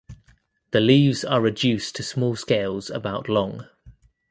The leaves are reduced to small scales about long.